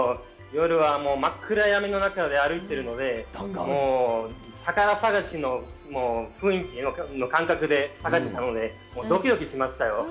夜は真っ暗闇の中で歩いているので、宝探しの雰囲気の感覚で探してたのでドキドキしましたよ。